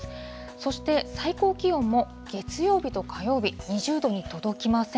そして、最高気温も月曜日と火曜日、２０度に届きません。